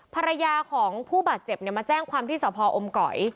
ภรรยาของผู้บาดเจ็บเนี้ยมาแจ้งความที่สหพอมไกร